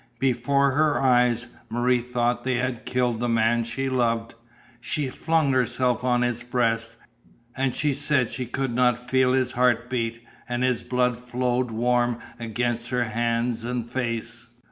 Before her eyes Marie thought they had killed the man she loved. She flung herself on his breast, and she said she could not feel his heart beat, and his blood flowed warm against her hands and face.